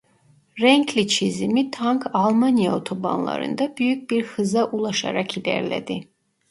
Renkli çizimi Tank Almanya otobanlarında büyük bir hıza ulaşarak ilerledi.